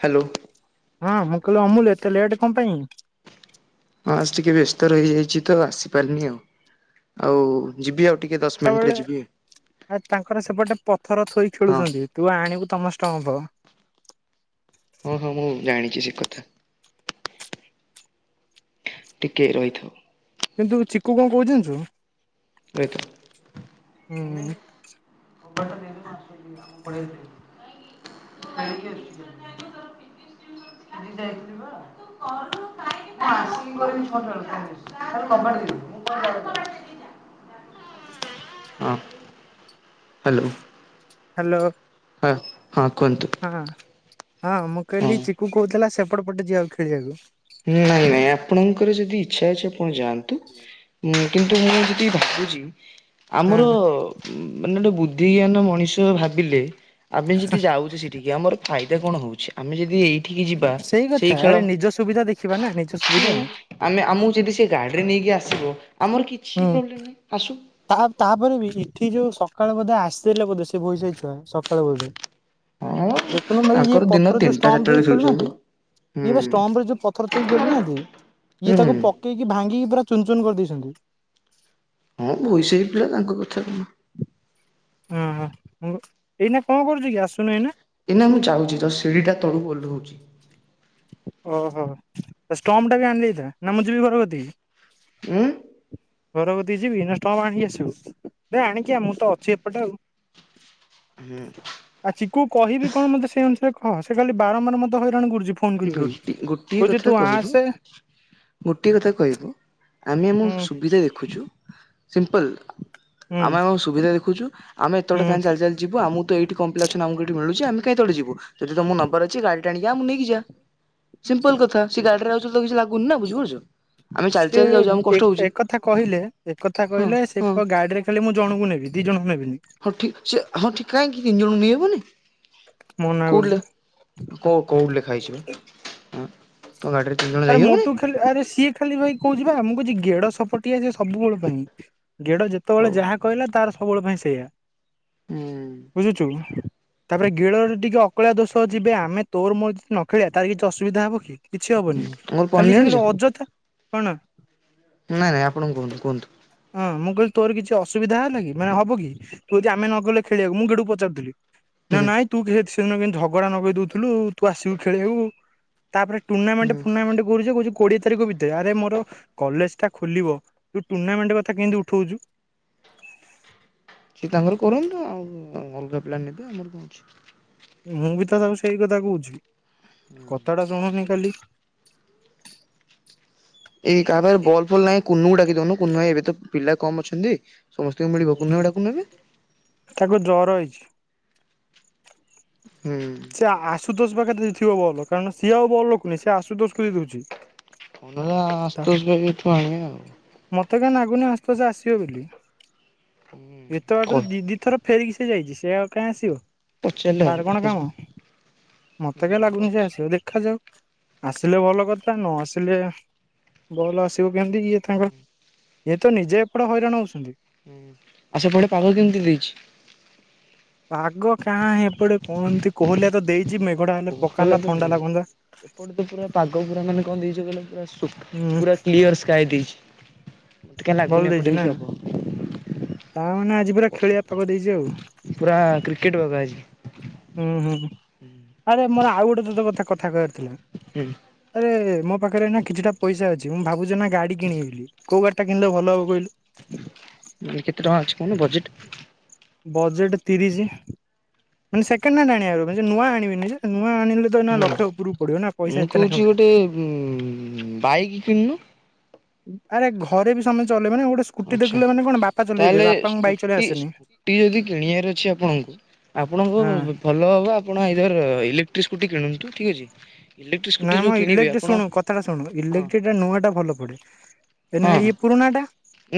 Hello. ହଁ ମୁଁ କହିଲି ଅମୁଲ ଏତେ ଲେଟ୍ କଣ ପାଇଁ? ଫାଷ୍ଟେ ଟିକେ ବ୍ୟସ୍ତ ରହିଯାଇଛି ତ ଆସିପାରିନି ଆଉ ଆଉ ଯିବି ଆଉ ଟିକେ ଦ ଶ୍ ସେତେବେଳେ ଆ ତାଙ୍କର ସେପଟେ ପଥର ଥୋଇ ହଁ ଖେଳୁଛନ୍ତି ତୁ ଆଣିବୁ ତମ ଷ୍ଟପ। ହଁ ହଁ ମୁଁ ଜାଣିଛି ସେ କଥା। ଟିକେ ରହିଥ କିନ୍ତୁ ଚିକୁ କଣ କହୁଛି ଜାଣିଛୁ? ଏଇଟା। ହୁଁ ମୁଟ [inaudible] [unintelligible] [inaudible] ଆ କବାଟ ଦେଇ ଦେଇକି ଯା। ହଁ। ହ୍ୟାଲୋ। ହ୍ୟାଲୋ। ହଁ ହଁ କୁହନ୍ତୁ। ହଁ ହଁ ମୁଁ ହଁ। କହିଲି ଚିକୁ କହୁଥିଲା ସେପଟ ପଟେ ଯିବାକୁ ଖେଳିବାକୁ? ନାଇଁ ନାଇଁ ଆପଣଙ୍କର ଯଦି ଇଚ୍ଛା ଅଛି ଆପଣ ଯାଆନ୍ତୁ। ହୁଁ। [unintelligible] କିନ୍ତୁ ମୁଁ ଯଦି ଭାବୁଛି ଆମର ହଁ ମାନେ ଗୋଟେ ବୁଦ୍ଧି ଜ୍ଞାନ ମଣିଷ ଭାବିଲେ। ଆମେ ଯଦି ଯାଉଛେ ସେଠିକି ଆମର ଫାଇଦା କଣ ହଉଛି ଆମେ ଯଦି ଏଇଠିକି ଯିବା ସେଇ କଥା ଆରେ ଖେଳ ନିଜ ସୁବିଧା ଦେଖିବା ନା ନିଜ ସୁ ଆମେ ଆମକୁ ଯଦି ସେ ଗାଡିରେ ନେଇକି ଆସିବ ଆମର କିଛି ହୁଁ ପ୍ରୋବ୍ଲେମ ନାହିଁ ଆସୁ। ତା ତା ତାପରେ ବି ଏଠି ଯୋଉ ସକାଳ ବୋଧେ ଆସିଥିଲେ ବୋଧେ ସେ ବହିସାଇଛୁଆ ସକାଳୁ ବୋଧେ। ହଁ ଦେଖୁନ ଭାଇ ତାଙ୍କର ଏ ଦିନ ପଥର ଯୋଉ ତିନିଟା ଚାରିଟା ଷ୍ଟମ୍ପ ବେଳେ ଦେଇ ଖେଳୁଛନ୍ତି। ଖେଳୁନାହାନ୍ତି। ଇଏ ହୁଁ ବା ଷ୍ଟମ୍ପ ରେ ଯୋଉ ପଥର ଥୋଇକି ଖେଳୁନାହାନ୍ତି ଇଏ ହୁଁ ହୁଁ ତାକୁ ପ ପକେଇକି ଭାଙ୍ଗିକି ପୁରା ଚୁନ ଚୁନ କରିଦେଉଛନ୍ତି। ହଁ ବୁଇସାହି ପିଲା ତାଙ୍କ କଥା କଣ? ହଁ ହଁ ଏଇନା କଣ କରୁଚୁ କି ଆସୁନୁ ଏଇନା। ଏଇନା ମୁଁ ଯାଉଚି ତ ସିଢିଟା ତଳୁକୁ ଓଲୋହୁଚି। ଓହୋ ଷ୍ଟମ୍ପ ଟା ବି ଆଣି ଏଇଟା ନା ମୁଁ ଯିବି ଘର କତିକି। ଉଁ। ଘର କତିକି ଯିବି ନା ଷ୍ଟମ୍ପ ଆଣିକି ଆସିବୁ ଦେ ଆଣିକି ମୁଁ ତ ଅଛି ଏପଟେ ଆଉ। ହୁଁ। ଆ ଚିକୁକୁ କହିବି କଣ ମତେ ସେଇ ଅନୁସାରେ କହ ସେ ବାରମ୍ଵାର ମୋତ ହଇରାଣ କରୁଚି। ଗୋଟି ଗୋଟିଏ କଥା କହିବୁ। ଗୋଟିଏ କଥା କହିବୁ ଆମେ ଆମ ଆମ ହୁଁ ସୁବିଧା ଦେଖୁଛୁ ସିମ୍ପଲ୍। ହୁଁ ଆମେ ଆମ ସୁବିଧା ଦେଖୁଚୁ ଆମେ ଏତେବାଟ ହୁଁ କାହିଁ ଚାଲି ଚାଲି ଯିବୁ ଆମକୁ ତ ଏଇଠି କମ୍ପ୍ଲେସନ୍ ମିଳୁଛି ଆମେ କାଇଁ ଏତେ ବାଟ ଯଦି ତମର ନବାର ଅଛି ଗାଡି ଟା ଆଣି ଆମକୁ ନେଇକି ଯାଆ। ସିମ୍ପଲ କଥା ସେ ଗାଡିରେ ଆଉଚି ବୋଲି ତାକୁ କିଛି ଲାଗୁନି ନା ବୁଝିପାରୁଛୁ। ସେ ଏକଥା କହିଲେ ଏକଥା ହଁ କହିଲେ ସେ ହଁ। କୁ ଗାଡିରେ ଖାଲି ମୁଁ ଜଣକୁ ନେବି ଦିଇ ଜଣ କୁ ନେବିନି। ହଁ ଠିକ୍ ଅଛି ହଁ ଠିକ କାହିଁକି ତିନି ଜଣ ନେଇହବନି ମନା କରୁଛି। କୋଉଠିଲ। କୋଉ କୋଉଠି ଲେଖା ହେଇଯିବେ ଆଁ। ତୋ ଗାଡ଼ିରେ ତେଲ ଆରେ ମୋଟୁ ଖାଲି ଆରେ ସିଏ ଖାଲି ବଇକି କହୁଚି ପରା ମୁଁ କହୁଛି ଗେଡ ସପଟିଆ ସବୁବେଳ ପାଇଁ। ଗେଡ ହଉ ଯେତେବେଳେ ଯାହା ହୁଁ। କହିଲା ତାର ସବୁବେଳେ ପାଇଁ ସେଇଆ ବୁଝୁଚୁ କି। ତାପରେ ଗିଳ ରେ ଟିକେ ଅକଳିଆ ଦୋଷ ଯିବେ ଆମେ ତୋରମୋର ଯଦି ନ ଖେଳିବା ତାର କିଛି ଅସୁବିଧା ହବ କି। କିଛି ହବନି ମୋର ଖାଲି ପନିର ସେ ଜାଣିଛ ଖାଲି ଅଯଥା କଣ? ନାଇଁ ଆପଣ କୁହନ୍ତୁ କୁହନ୍ତୁ। ହଁ ମୁଁ କହିଲି ତୋର କିଛି ଅସୁବିଧା ହେଲା କି ମାନେ ହବ କି? ତୁ ଯଦି ଆମେ ନଗଲେ ଖେଳିବାକୁ ମୁଁ ଗେଡ଼ୁ କୁ ପଚାରୁଥିଲି। ନା ହୁଁ ନାଇଁ ତୁ ଘେ ସେଦିନ କେମିତି ଝଗଡା ନଗେଇ ଦଉଥିଲୁ ତୁ ଆସିବୁ ଖେଳିବାକୁ ତାପରେ ଟୁର୍ଣ୍ଣାମେଣ୍ଟ ହୁଁ। ଟୁର୍ଣାମେଣ୍ଟ କରୁଚି କହୁଛି କୋଡିଏ ତାରିଖ ଭିତରେ ଆରେ ମୋର କଲେଜ ଟା ଖୋଲିବ [unintelligible] ତୁ ଟୁଣ୍ଣାମେଣ୍ଟ କଥା କେମିତି ଉଠଉଛୁ। ସେ ତାଙ୍କର କରନ୍ତୁ ଆଉ ଅଲଗା ପ୍ଲାନ୍ ନେବେ ଆମର କଣ ଅଛି। ମୁଁ ବି ତ ତାକୁ ସେଇ କଥା କହୁଚି କଥା ଟା ଶୁଣୁନି ଖାଲି। ଏଇ କାହା ପାଖରେ ବଲ୍ ଫଲ୍ ନାହିଁ କୁନୁକୁ ଡାକି ଦଉନୁ କୁନୁଭାଇ ଏବେ ତ ପିଲା କମ୍ ଅଛନ୍ତି। ସମସ୍ତଙ୍କୁ ମିଳିବ କୁନା କୁ ଡାକୁ ନାହାନ୍ତି। ତାକୁ ଜର ହେଇଛି। ହୁଁ। ସେ ଆଶୁତୋଷ ପାଖରେ ଦେଇଥିବ ବଲ୍ କାରଣ ସିଏ ଆଉ ବଲ୍ ରଖୁନି ସେ ଆଶୁତୋଷ କୁ ଦେଇଦଉଚି। ପଣ୍ଡୁଲା ଆଶୁତୋଷ ପାଖରେ ଥୁଆ ହେଇ ନାହାନ୍ତି [unintelligible] ମତେ କାଇଁ ନାଗୁନି ଆଶୁତୋଷ ଆସିବ ବୋଲି ଏତେ କହ ବାଟରୁ ଦି ଦି ଥର ଫେରିକି ସେ ଯାଇଛି ସେ ଆଉ କାଇଁ ଆସିବ। ପଚାରିଲେ ହବ ତାର କଣ ଦେଖାଯିବ କାମ ହୁଁ ମତେ କାଇଁ ଲାଗୁନି ସେ ପଚା ଆସିବ ଦେଖାଯାଉ। ଆସିଲେ ଭଲକଥା ନଆସିଲେ ବଲ୍ ଆସିବ କେମିତି ଇଏ ତାଙ୍କ ଇଏତ ନିଜେ ଏପଟେ ହଇରାଣ ହଉଛନ୍ତି। ହୁଁ, ଆଉ ସେପଟେ ପାଗ କେମିତି ହୋଇଛି? ପାଗ କାଁ ଏପଟେ କଣ ଏମତି କୋହିଲଆ ତ ଦେଇଛି ମେଘଟା ହେଲେ ଭଲ ପକନ୍ତା ତ ଥଣ୍ଡା ନୁହେଁ ଲାଗନ୍ତା ଏପଟେ ତ ପୁରା ପାଗ ପୁରା ମାନେ କଣ ଦେଇଚି କହିଲ ପୁରା ସୁ ହୁଁ ପୁରା କ୍ଲିୟର ସ୍କାଏ ଦେଇଛି। ମତେ କାଇଁ ଭଲ ଲାଗୁନି ଦେଇଛି ଏପଟେ ନା କିଛି ହବ। ତା ମାନେ ଆଜି ପୁରା ଖେଳିଆ ପାଗ ଦେଇଚି ଆଉ। ପୁରା କ୍ରିକେଟ ବଗା ଆଜି। ଉଁ ହୁଁଁ ଆରେ ମୋର ଆଉ ଗୋଟେ ତତେ କଥା କଥା କହିଆର ଥିଲା। ହୁଁ। ଆରେ ମୋ ପାଖେରେ ଏନା କିଛିଟା ପଇସା ଅଛି ମୁଁ ଭାବୁଚି ଏନା ଗାଡ଼ି କିଣିବି ବେଲି। କୋଉ ଗାଡ଼ିଟା କିଣିଲେ ଭଲ ହବ କହିଲୁ? ମାନେ କେତେ ଟଙ୍କା ଅଛି କୋହୁନୁ ବଜେଟ? ବଜେଟେ ତିରିଶି ମାନେ ସେକେଣ୍ଡ ହ୍ୟାଣ୍ଡ ଆଣିଆର ଆଜି ନୂଆ ଆଣିବିନି ଯେ ନୂଆ ଆଣିଲେ ତ ଏନା ହୁଁ ଲକ୍ଷେ ଓପୁରୁ ପଡ଼ିବ ନା ମୁଁ ପଇସା ଏତେ ନାହିଁ କହୁଛି ମୋ ଗୋଟେ ପାଖେ। ଉଁ ବାଇକି କିଣୁନୁ। ଆରେ ଘରେ ବି ସମେ ଚଲେଇବେ ନା ଗୋଟେ ସ୍କୁଟି ଆଚ୍ଛା ଦେଖିଲେ ମାନେ କଣ ବାପା ଚଲେଇବେ ତାହେଲେ ବାପାଙ୍କୁ ବାଇକ୍ ଚଲେଇ ସ୍କୁଟି ଆସେନି। ସ୍କୁଟି ଯଦି କିଣିବାର ଅଛି ଆପଣଙ୍କୁ ହଁ ଆପଣଙ୍କୁ ଭଲ ହବ ଆପଣ ଆଇଦର ଇଲେକ୍ଟ୍ରି ସ୍କୁଟି କିଣନ୍ତୁ, ଠିକ୍ ଅଛି? ଇଲେକ୍ଟ୍ରିକ ସ୍କୁଟି ନାଁ ଯୋଉ ମ କିଣିବେ ଇଲେକ୍ଟ୍ରି ଆପଣ ଶୁଣୁ କଥାଟା ଶୁଣୁ ହଁ ଇଲେଟ୍ରିଟା ନୂଆଟା ଭଲ ପଡ଼େ। ଏନା ଇଏ ପୁରୁଣାଟା।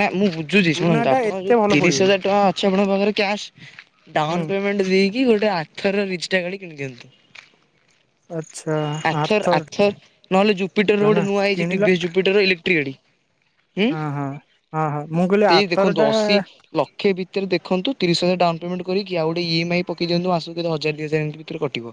ନାଁ ମୁଁ ବୁଝୁଚି ଶୁଣନ୍ତୁ ଆପଣଙ୍କ ଯୋଉ ଭଲ ତିରିଶ ପଡିବନି ହଜାର ଟଙ୍କା ଅଛି ଆପଣଙ୍କ ପାଖରେ କ୍ୟାସ ହୁଁ ଡାଉନ ପେ ମେଣ୍ଟ ଦେଇକି ଗୋଟେ ଆଥରର ରିଜଟା ଗାଦି କିଣି ଦିଅନ୍ତୁ। ଆଚ୍ଛା ଆଥର ଆର୍ଥର ଆଥର ନହେଲେ ଜୁପିଟର ର ଟା ଗୋଟେ ନାଁ ନୂଆ ହେଇଛି କିଣିିଲା ଟିଭିଏସ ଜୁପିଟର ଇଲେକ୍ଟ୍ରିକ ଗାଡି ହୁଁ ଅଁ ହଁ ହଁ ହଁ ମୁଁ କହିଲି ସେଇ ଦେଖନ୍ତୁ ଆର୍ଥରଟା ଅଶୀ ଲକ୍ଷେ ଭିତରେ ଦେଖନ୍ତୁ ତିରିଶ ହଜାର ଡାଉନ ପେମେଣ୍ଟ କରିକି ଆଉ ଗୋଟ ଇ ଏମ୍ ଆଇ ପକେଇ ଦିଅନ୍ତୁ ମାସୁକୁ କେତେ ହଜାରେ ଦିହଜା ଏମତି ବି ତୋର କଟିବ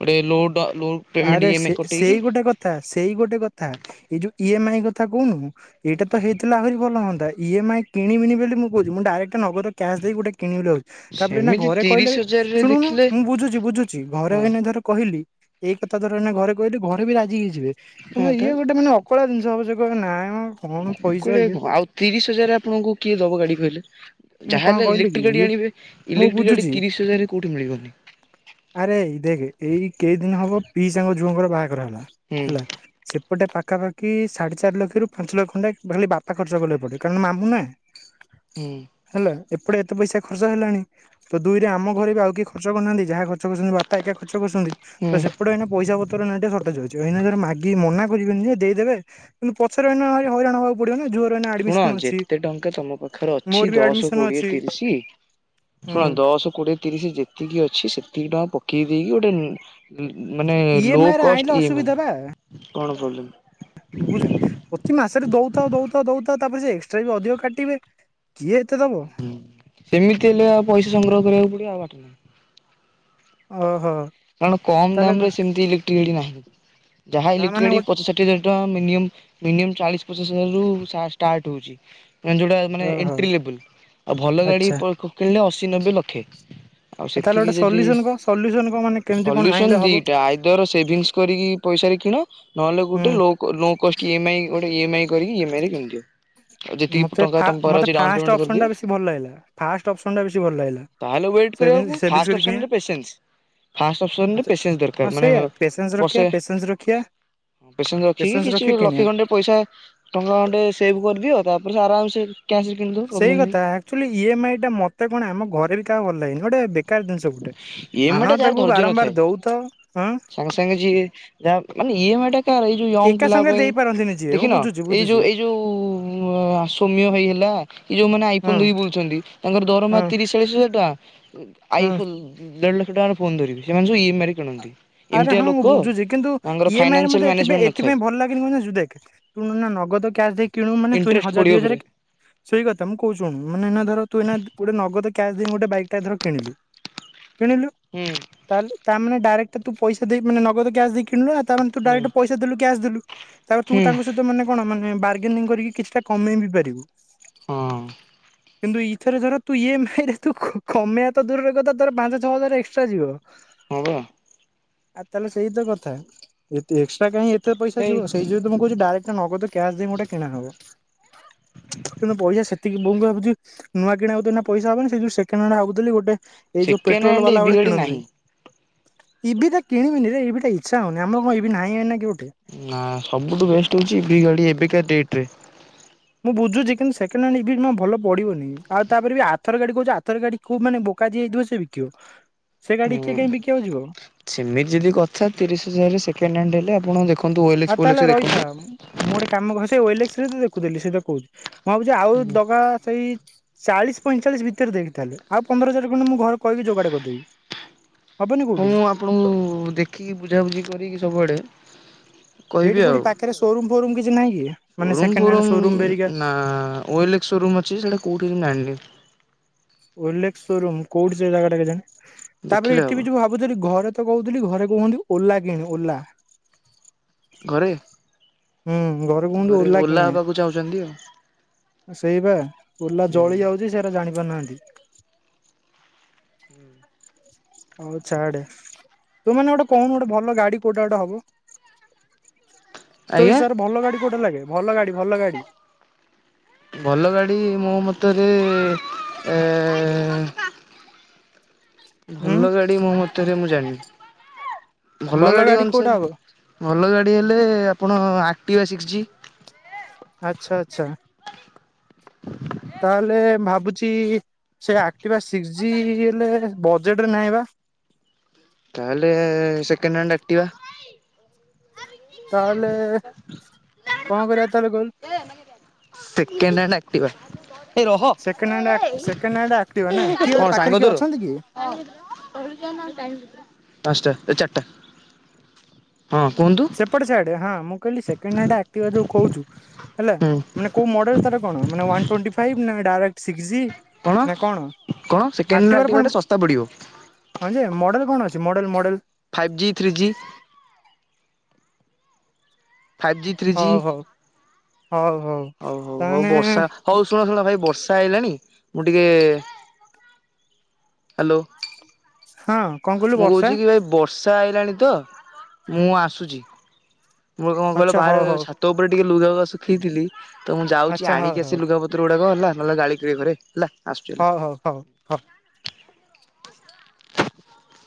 ଗୋଟେ ଲୋଡ଼ ଲୋ ପେମେଣ୍ଟ ଆରେ ଇଏମ୍ ଆଇ ସେ କଟେଇକି ସେଇ ଗୋଟାକ ତା ସେଇ ଗୋଟେ କଥା ଏଇ ଯୋଉ ଇ ଏମ ଆଇ କଥା କୋହୁନୁ ଏଇଟା ତ ହେ ଥିଲା ଆହୁରି ଭଲ ହୁଅନ୍ତା ଇ ଏମ୍ ଆଇ କିଣିବିନି ବେଲି ମୁଁ କୋଉଚି ମୁଁ ଡାଇରେକ୍ଟ ନଗଦ କ୍ୟାସ ଦେଇ ଗୋଟେ କିଣିବି ବୋଲି ଭାଉ ତାପରେ ଏନା ସେମିତି ଘରେ ତିରିଶ କହିଲେ ହଜାରରେ ଶୁଣୁନୁ ଦେଖିଲେ ମୁଁ ବୁଝୁଚି ବୁଝୁଚି ଘରେ ହଁ ଏଇନେ ଧର କହିଲି ଏଇ କଥା ଧର ଏନା ଘରେ କହିଲି ଘରେ ବି ରାଜି ହେଇଯିବେ ହଁ କିନ୍ତୁ ଇଏ ତାହେଲେ ଗୋଟେ ମାନେ ଅ କଳା ଜିନିଷ ହବ ସେ କହିବେ ନାଇଁ ମ କଣ ପଇସା କୋଡିଏ ଇଏ ଆଉ ତିରିଶ ହଜାରରେ ଆପଣଙ୍କୁ କିଏ ଦବ ଗାଡ଼ି କହିଲେ? ନାଇଁ ଯାହା କଣ ହେଲେ କହିଲେ କି ଇଲେକ୍ଟ୍ରି ଗାଡ଼ି ଇଏ ଆଣିବେ ମୁଁ ଇଲେକ୍ଟ୍ରି ଗାଡ଼ି ବୁଝୁଛି ତିରିଶ ହଜାରରେ କୋଉଠି ମିଳିବନି। ଆରେ ଦେଖେ ଏଇ କେଇ ଦିନି ହବ ପିଇଶାଙ୍କ ଝୁଅଙ୍କର ବାହାଘର ହେଲା ହୁଁ ହେଲା। ସେପଟେ ପାଖାପାଖି ସାଢ଼େ ଚାରିଲକ୍ଷରୁ ପାଞ୍ଚଲ ଖଣ୍ଡେ ଖାଲି ବାପା ଖର୍ଚ୍ଚ କଲେ ଏପଟେ କାରଣ ମାମୁଁ ନାଁ। ଉଁ। ହେଲା ଏପଟେ ଏତେ ପଇସା ଖର୍ଚ୍ଚ ହେଲାଣି। ତ ଦୁଇରେ ଆମ ଘରେ ବି ଆଉ କିଏ ଖର୍ଚ୍ଚ କରନାହାନ୍ତି ଯାହା ଖର୍ଚ୍ଚ କରିଛନ୍ତି ବାପା ଏକା ଖର୍ଚ୍ଚ କରିଛନ୍ତି ତ ହୁଁ ସେପଟେ ଏଇନା ପଇସା ପ ତର ନାହିଁ ଦେ ହଟା ଯାଉଚୁ ଏଇନା ଧର ମାଗି ମନା କରିବେନି ଯେ ଦେଇଦେବେ କିନ୍ତୁ ପଛରେ ଏନା ଭାଇ ହଇରାଣ ହବାଉ ପଡ଼ିବ ନା ଜୋରେନା ଶୁଣ ଯେତେ ଟଙ୍କା ତମ ପାଖରେ ମୋର ଅଛି ବି ଦଶ ଆଡମିସନ କୋଡ଼ିଏ ଅଛି ତିରିଶି ଶୁଣ ଦ ହୁଁ ଦଶ କୋଡ଼ିଏ ତିରିଶ ଯେତିକି ଅଛି ସେତିକି ଟଙ୍କା ପକେଇ ଦେଇକି ଗୋଟେ ଉଁ ଉଁ ମାନେ ଲୋ ଇଏମଆଇ ରେ ଆଣିଲେ କଷ୍ଟ ଇ ଏମ୍ ଅସୁବିଧା ଆଇ କଣ ପ୍ରୋବଲେମ୍? ବୁ ବୁଝା ପ୍ରତି ମାସରେ ଦଉଥାଅ ଦଉଥାଅ ଦଉଥାଅ ତାପରେ ସେ ଏକ୍ସଟ୍ରା ବି ଅଧିକ କାଟିବେ। କିଏ ଏତେ ଦବ? ସେମିତି ହେଲେ ଆଉ ପଇସା ସଂଗ୍ରହ କରିବାକୁ ପଡ଼ିବ ଆଉ ବାଟ ନାହିଁ। ଅହ। କାରଣ କମ୍ ଦାମ୍ ରେ ସେମତି ଇଲେକ୍ଟ୍ରା ନାହିଁ ଯାହା ତା ଇଲେକ୍ଟ୍ରି ମାନେ ଗାଡ଼ି ଗୋଟେ ପଚା ଷା ଠିଏ ହଜାର ଟଆଁ ମିନିଅମ୍ ମିନିଅମ୍ ଚାଳିଶ ପଚାଶ ହଜାରରୁ ସା ଷ୍ଟାଟ୍ ହଉଚି। [unintelligible] ଯୋଉଟା ମାନେ ଓହୋ ଏଣ୍ଟ୍ରି ଲେବୁଲ୍ ଅ ଭଲ ଗାଡି ଆଚ୍ଛା ପ କିଣିଲେ ଅଶି ନବେ ଲକ୍ଷେ। ଆଉ ସେଥିକି ଯଦି କଁ ସଲୁସନ୍ କଁ ମାନେ କେମିତି କଣ ସଲ୍ୟୁସନ୍ ଆଣିଲେ ହବ ଦିଟା ଆଇଦର ସେଭିଙ୍ଗସ୍ କରିକି ପଇସାରେ କିଣ ନହେଲେ ହୁଁ ଗୋଟେ ଲୋ କ ଲୋ କଷ୍ଟ ଇଏମ୍ଆଇ ଗୋଟେ ଇଏମ୍ଆଇ କରିକି ଏମ୍ଆଇରେ କିଣିଦିଅ। ଆଉ ଯେତିକି ମତେ ଟଙ୍କା ଫା ତମ ପାଖରେ ମତେ ଅଛି ଡାଉନ ଫାଷ୍ଟ ପେମେଣ୍ଟ ଅପ୍ସନ୍ କରିଦିଅ ଟା ବେଶୀ ଭଲ ଲାଗିଲା ଫାଷ୍ଟ ଅପ୍ସନ୍ ଟା ବେଶୀ ଭଲ ଲାଗିଲା। ତାହେଲେ ୱେଟ୍ ସେଭିଙ୍ଗ କରିଆକୁ ସେଭିଙ୍ଗସ ଫାଷ୍ଟ କରି ଅପ୍ସନ୍ କିଣିବା ଯେ ପେସେନ୍ସ୍। ଫାଷ୍ଟେ ଅପ୍ସନ୍ ରେ ଆଚ୍ଛା ପେସେନ୍ସ ହଁ ଦରକାର୍ ମାନେ ସେଇଆ ପେସେନ୍ସ ରଖିବା ବର୍ଷେ। ପେସେନ୍ସ ରଖିବା ପୋସେନ୍ସ ରଖିକି ପେସେନ୍ସ କିଛି ରଖି କିଣିବା ଲକ୍ଷେ ଖଣ୍ଡେ ପଇସା ଟଙ୍କା [unintelligible] ସେଭ୍ କରିଦିଅ ତାପରେ ସେ ଆରାମ୍ ସେ କ୍ୟାସ୍ ରେ କିଣିଦ। ସେଇ କଥା ଆକ୍ଚୁଆଲି ଇଏମ୍ଆଇ ଟା ମତେ କଣ ଆମ ଘରେ ବି କାହା ଭଲ ଲାଗନି ଗୋଟେ ବେକାର୍ [unintelligible] ତ ଗୋଟେ ଇଏମଆଇ ଆଣ ତାକୁ ବାରମ୍ବାର ଦଉଥ। ସଙ୍ଗେ ସଙ୍ଗେ ଯିଏ ଯା ମାନେ ଇଏମ୍ଆଇ ଟା କାର ଇଏ ଯୋ ୟଅଙ୍ଗ୍ ଏକା ପିଲାଙ୍କ ସାଙ୍ଗରେ ପାଇଁ। ଦେଇପାରନ୍ତିନି ଯିଏ ମୁଁ ଦେଖିନ ବୁଝୁଛି ଏଇ ବୁଝୁଛି ଯୋଉ ଏଇ ଯୋଉ ଉଁ ଅ ସୋମ୍ୟ ଭାଇ ହେଲା କି ଯୋଉମାନେ ହଁ ଆଇଫୋନ୍ ଧରିକି ବୁଲୁଛନ୍ତି ତାଙ୍କର ଦରମା ହଁ ତିରିଶ୍ ଚାଳିଶ୍ [unintelligible] ହଁ ଆଇଫୋଲ୍ ଦେଢ ଲକ୍ଷ ଟଙ୍କାର ଫୋନ୍ ଧରିବି ସେମାନେ ସବୁ ଇଏମ୍ଆଇରେ କିଣନ୍ତି। ଆରେ ଏମିତିଆ ହଁ ମୁଁ ଲୋକ ବୁଝୁଚି କିନ୍ତୁ ତାଙ୍କର ଇଏମ୍ଆଇରେ ଫାଇନାନ୍ସିଆଲ ମତେ ମ୍ୟାନେଜମେଣ୍ଟ ଏଥିପାଇଁ ନଥାଏ ଏଥିପାଇଁ ଭଲ୍ ଲାଗେନି କଁ [unintelligible] ଦେଖ୍ ଶୁଣୁ ଏନା ନଗଦ କ୍ୟାସ୍ ଦେଇ କିଣୁ ମାନେ ତୁ ଏନା ଇଣ୍ଟରେଷ୍ଟ ହଜାରେ ପଡିବ ଦି ଫେରେ। ହଜାରେ [unintelligible] ସେଇ କଥା ମୁଁ କହୁଚି ଶୁଣୁ ମାନେ ଏଇନା ଧର ତୁ ଏଇନା ଗୋଟେ ନଗଦ କ୍ୟାସ୍ ଦେଇ ଗୋଟେ ବାଇକ୍ ଟା ଧର କିଣିଲୁ କିଣିଲୁ ହୁଁ। ତାଏଲେ ତା ମାନେ ଡାଇରେକ୍ଟ୍ ତୁ ପଇସା ଦେଇ ମାନେ ନଗଦ କ୍ୟାସ୍ ଦେଇ କିଣିଲୁ ନା ତା ମାନେ ତୁ ହୁଁ ଡାଇରେକ୍ଟ୍ ପଇସା ଦେଲୁ କ୍ୟାସ୍ ଦେଲୁ ତାପରେ ତୁ ହୁଁ ତାଙ୍କ ସହି ତ ମାନେ କଣ ମାନେ ବାର୍ଗେନିଂ କରିକି କିଛିଟା କମେଇ ବି ପାରିବୁ। ହଁ କିନ୍ତୁ ଇଥରେ ଧର ତୁ ଇଏମ୍ଆଇ ରେ ତୁ ଖ-ଖ କମେଇ ତ ଦୂରର କଥା ତୋର ପାଞ୍ଚ ଛଅ ହଜାର ଏକ୍ସଟ୍ରା ଯିବ। ହଁ ବା। ଆଉ ତାଏଲେ ସେଇ ତ କଥା ଏତେ ଏକ୍ସଟ୍ରା କାଇଁ ଏତେ ପଇସା ହେଇ ଯିବ ସେଇ ଯୋଉ ତ ମୁଁ କହୁଚି ଡାଇରେକ୍ଟା ନଗଦ କ୍ୟାଶ୍ ଦେଇ ଗୋଟେ କିଣା ହବ। କିନ୍ତୁ ପଇସା ସେତିକି [unintelligible] ପଇସା ହବନି ସେ ଯୋଉ ସେକେଣ୍ଡ୍ ହ୍ୟାଣ୍ଡ୍ ଭାବୁଥିଲି ଗୋଟେ ଏଇ ଯୋଉ ସେକେଣ୍ଡ ପେଟ୍ରୋଲ ହ୍ୟାଣ୍ଡ ବାଲା ଇଭି ଗୋଟେ ଗାଡି କିଣନ୍ତି। ନାହିଁ। ଇଭି ଟା କିଣିବିନିରେ ଇଭି ଟା ଇଚ୍ଛା ହଉନି ଆମର କଁ ଇଭି ନାହିଁ ଏନା କି ଗୋଟେ। ଉଁ ନା ସବୁଠୁ ବେଷ୍ଟ ହଉଚି ଇଭି ଗାଡି ଏବେକା ଡେଟ୍ ରେ। ମୁଁ ବୁଝୁଚି କିନ୍ତୁ ସେକେଣ୍ଡ୍ ହ୍ୟାଣ୍ଡ୍ ଇଭି [unintelligible] ଭଲ ପଡିବନି ଆଉ ତାପରେ ବି ଆଥର୍ ଗାଡି କହୁଚି ଆଥର୍ ଗାଡି କୁ ମାନେ ବୋକା ଯିଏ ହେଇଥିବ ସିଏ ବିକିବ। ସେ ଗାଡି ହୁଁ କିଏ କାଇଁ ବିକିବାକୁ ଯିବ ସେମିତି ଯଦି କଥା ତିରିଶ୍ ହଜାର୍ ରେ ସେକେଣ୍ଡ୍ ହ୍ୟାଣ୍ଡ୍ ହେଲେ ଆପଣ ଦେଖ୍ ଖନ୍ତୁ ଆଉ ୱଏଲେକ୍ସ ତାହେଲେ ଫୋଏଲେକ୍ସ ରେ ରହିଥା ଦେଖନ୍ତୁ। ମୁଁ ଗୋଟେ କାମ [unintelligible] ସେ ଓଏଲେକ୍ସରେ ତ ଦେଖୁଥିଲି ସେ ଟା କହୁଚି ମୁଁ ଭାବୁଚି ଆଉ ଦଗା ସେଇ ଚାଳିଶ୍ ପଇଁଚାଳିଶ୍ ଭିତରେ ଦେଖେ ତାହେଲେ ଆଉ ପନ୍ଦର ହଜାର୍ ଖଣ୍ଡେ ମୁଁ ଘରେ କହିବି ଯୋଗାଡ଼ କରିଦେବି। ହବନି କୋଉଠି? [unintelligible] ଦେଖିକି ବୁଝାବୁଝି କରିକି ସବୁଆଡେ ଏଇଠି କହିବି କୋଉଠି ଆଉ ପାଖରେ ସୋରୁମ ଫୋରୁମ କିଛି ନାହିଁ କି ମାନେ ମୋ ରୁମ୍ ସେକେଣ୍ଡ ଫୋ ହ୍ୟାଣ୍ଡ ରୁମ୍ ସୋରୁମ ହେରିକା? ନା ଓଏଲେକ୍ସ ଶୋ ରୁମ୍ ଅଛି ସେଇଟା କୋଉଠି [unintelligible] ଓଏଲେକ୍ସ ସୋରୁମ୍ କୋଉଠି ସେ ଜାଗା ଟା କେଜାଣି ତାପରେ ଦେଖିଲେ ଏଇଠି ହବ ବି ଯୋଉ ଭା [unintelligible] ଘରେ ତ କହୁଥିଲି ଘରେ କହୁଅନ୍ତି ଓଲା କିଣି ଓଲା। ଘରେ ହୁଁ କୁହନ୍ତି ଘରେ ଓଲା କିଣିବା ହବାକୁ ଯାଉଛନ୍ତି ଆଉ ସେଇ ବା ଓଲା ଜଳି ହୁଁ। ଯାଉଛି ସେଇଟା ଜାଣିପାରୁନାହାନ୍ତି। ହୁଁ ହଉ ଛଆଡେ ତୁ ମାନେ ଗୋଟେ କହୁନୁ ଗୋଟେ ଭଲ ଗାଡି କୋଉଟା ଗୋଟେ ହବ। ତୋ ଆଜ୍ଞା ହିସାବ ରେ ଭଲ ଗାଡି କୋଉଟା ଲାଗେ ଭଲ ଗାଡି ଭଲ ଗାଡି। ଭଲ ଗାଡ଼ି ମୋ ମତରେ ଏ ଉଁ ଭଲ ଗାଡି ମୋ ମତରେ ମୁଁ ଜାଣିନି ଭଲ ଗାଡ଼ି ଗାଡି କୋଉଟା ହବ ଅନୁସାରେ ଭଲ ଗାଡ଼ି ହେଲେ ଆପଣ ଆକ୍ଟିିବା ସିକ୍ସଜି ଆଛା ଆଚ୍ଛା ତାହେଲେ ଭାବୁଛି ସେ ଆକ୍ଟିିବା ସିକ୍ସଜି ହେଲେ ବଜେଟରେ ନାହିଁ ବା। ତାହେଲେ ସେକେଣ୍ଡ ହାଣ୍ଡ ଆକ୍ଟୀବା ତାହେଲେ କଣ କରିବା ତାହେଲେ କହିଲୁ। ସେକେଣ୍ଡ ହ୍ୟାଣ୍ଡ ଆକ୍ଟିଭା ଏ ରହ ସେକେଣ୍ଡ ହାଣ୍ଡ ଆ ସେକେଣ୍ଡ ହାଣ୍ଡ ଆକ୍ତିବା କିଏ ଗୋଟେ କଣ ସାଙ୍ଗ ପାଖରେ କିଏ ତୋର? ଅଛନ୍ତି କି। ପାଞ୍ଚଟା ଏ ଚାରଟା ହଁ କୁହନ୍ତୁ ଏପଟେ ଛାଡେ ହଁ ମୁଁ କହିଲି ସେକେଣ୍ଡ ହାଣ୍ଡ ଆକ୍କ୍ତିବା ଯୋଉ କୋଉଛୁ ହେଲା ହୁଁ ମାନେ କୋଉ ମଡ଼େଲ ତାର କଣ ୱନ୍ ଟେଣ୍ଟି ଫାଇଭ୍ ନା ଡାଇରେକ୍ଟ ସିକ୍ସିଜି। କଣ କଣ ସେକେଣ୍ଡ ନାଟିବା ପୁଣି ଟା ଶସ୍ତା ପଡ଼ିବ। ହଁ ଯେ ମଡ଼େଲ କଣଛି model model five G three G five G three G ହଉ ହଉ ହଉ ହଉ ହଉ ହଉ ହଉ ତାମାନେ ବର୍ଷା ହଉ ଶୁଣ ଶୁଣ ଭାଇ ବର୍ଷା ହେଇଲାଣି ମୁଁ ଟିକେ ହାଲୋ ହଁ କଣ କହିଲୁ ମୁଁ ବର୍ଷା କହୁଛି କି ଭାଇ ବର୍ଷା ଆଇଲାଣି ତ ମୁଁ ଆସୁଛି। ମୁଁ କଣ କହିଲ ଆଚ୍ଛା ବାହାରେ ହଉ ହଉ ଛାତ ଉପରେ ଟିକେ ଲୁଗା କ ଶୁଖେଇଥିଲି ତ ମୁଁ ଯାଉଛି ଆଚ୍ଛା ହଉ ଆଣିକି ଆସି ହଉ ଲୁଗା ପତ ତର ଗୁଡାକ ହେଲା ନହଲେ ଗାଳି ଖାଇବି ଘରେ ହେଲା। ଆସୁଛି ହେଲା। ହଁ ହଁ ହଉ